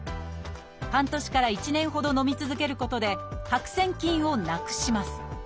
半年から１年ほどのみ続けることで白癬菌をなくします。